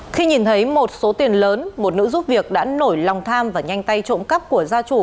khi nhìn thấy một số tiền lớn một nữ giúp việc đã nổi lòng tham và nhanh tay trộm cắp của gia chủ